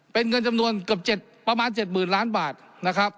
เป็นเงินจำนวนเกือบเจ็ดประมาณเจ็ดหมื่นล้านบาทนะครับ